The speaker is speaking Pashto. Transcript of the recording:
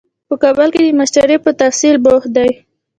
په کابل کې د ماسټرۍ په تحصیل بوخت دی.